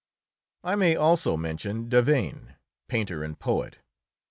I may also mention Davesne, painter and poet.